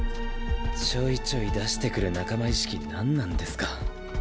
ちょいちょい出してくる仲間意識何なんですか？